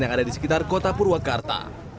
yang ada di sekitar kota purwakarta